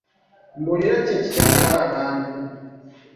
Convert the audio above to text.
Mbuulira, ki ekikyamula abantu?